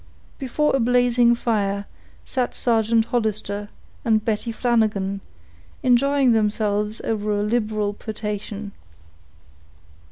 Before a blazing fire sat Sergeant Hollister and Betty Flanagan, enjoying themselves over a liberal potation.